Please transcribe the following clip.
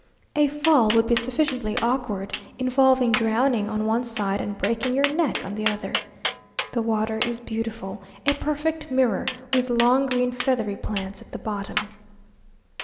A fall would be sufficiently awkward, involving drowning on one side and breaking your neck on the other. The water is beautiful a perfect mirror, with long green feathery plants at the bottom.